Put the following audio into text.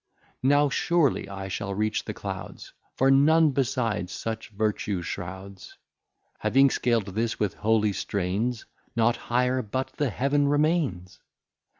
Now surely I shall reach the Clouds, For none besides such Vertue shrouds: Having scal'd this with holy Strains, Nought higher but the Heaven remains!